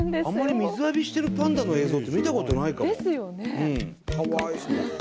あんまり水浴びしてるパンダの映像って見たことないかも。ですよね。